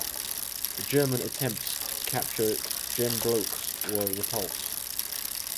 The German attempts to capture Gembloux were repulsed.